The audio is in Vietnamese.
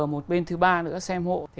một bên thứ ba nữa xem hộ